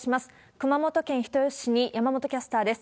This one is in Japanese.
熊本県人吉市に山本キャスターです。